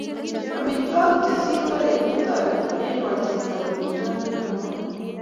Amitwogik che singoren kotoreti eng ngoisetab amitwogik eng moet